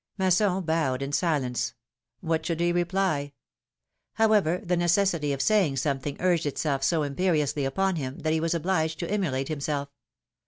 Masson bowed in silence; what should he reply? However the necessity of saying something urged itself so PHILOMilNE^S MARRIAGES. 197 imperiously upon him, that he was obliged to immolate himself.